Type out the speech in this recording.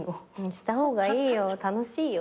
した方がいいよ楽しいよ。